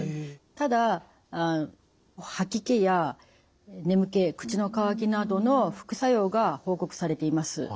ただ吐き気や眠気口の渇きなどの副作用が報告されています。